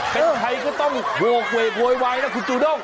เป็นใครก็ต้องโหกเวกโวยวายนะคุณจูด้ง